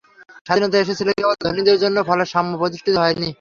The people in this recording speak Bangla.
স্বাধীনতা এসেছিল কেবল ধনীদের জন্য, ফলে সাম্য প্রতিষ্ঠিত হয়নি।